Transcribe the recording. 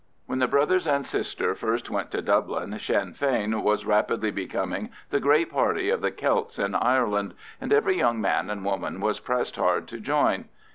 When the brothers and sister first went to Dublin, Sinn Fein was rapidly becoming the great party of the Celts in Ireland, and every young man and woman was pressed hard to join.